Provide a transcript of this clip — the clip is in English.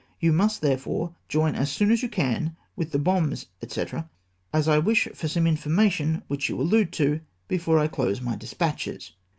You must, therefore, join as soon as you can, with the bombs, &c., as I wish for some information, which you allude to, before I close my despatches.